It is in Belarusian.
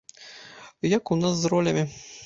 Як у нас з ролямі?